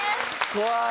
怖い。